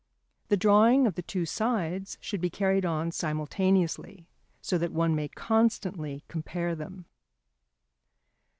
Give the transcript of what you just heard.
The drawing of the two sides should be carried on simultaneously, so that one may constantly compare them.